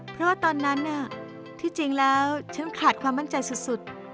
เพราะว่าตอนนั้นที่จริงแล้วฉันขาดความมั่นใจสุด